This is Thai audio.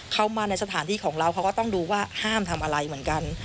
เข้ามาในสถานที่ของเราเขาก็ต้องดูว่าห้ามทำอะไรเหมือนกัน